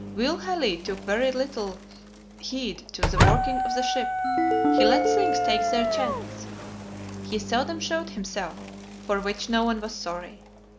Will Halley took very little heed to the working of the ship; he let things take their chance. He seldom showed himself, for which no one was sorry.